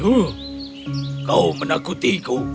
huh kau menakutiku